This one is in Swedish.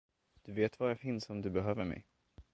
Du vet var jag finns om du behöver mig.